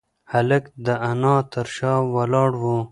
هلک د انا تر شا ولاړ و.